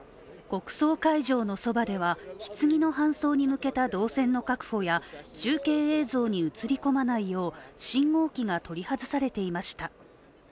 国葬会場のそばではひつぎの搬送に向けた動線の確保や中継映像に映り込まないよう信号機が取り外されていました。